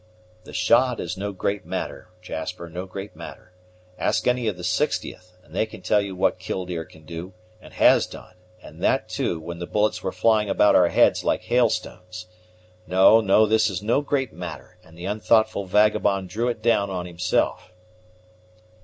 "The shot is no great matter, Jasper, no great matter. Ask any of the 60th, and they can tell you what Killdeer can do, and has done, and that, too, when the bullets were flying about our heads like hailstones. No, no! this is no great matter, and the unthoughtful vagabond drew it down on himself."